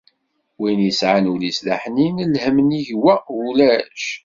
Win yesεan ul-is d aḥnin, lhemm nnig wa ulac.